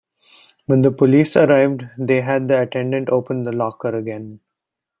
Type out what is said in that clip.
When the police arrived they had the attendant open the locker again.